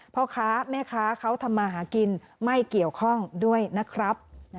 พ่อค้าแม่ค้าเขาทำมาหากินไม่เกี่ยวข้องด้วยนะครับ